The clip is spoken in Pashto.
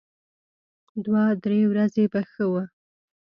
دوه درې ورځې به ښه و.